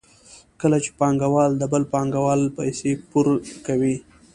کله چې پانګوال د بل پانګوال پیسې پور کوي